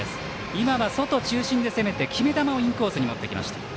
今は外中心で攻めて決め球をインコースに持ってきました。